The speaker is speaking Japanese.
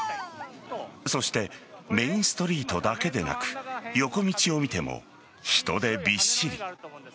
そしてメインストリートだけでなく横道を見ても人でびっしり。